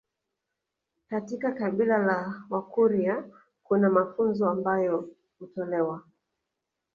Katika kabila la wakurya kuna mafunzo ambayo hutolewa